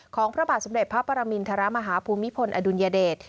พระบาทสมเด็จพระปรมินทรมาฮาภูมิพลอดุลยเดช